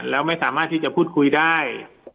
แล้วไม่สามารถที่จะพูดคุยได้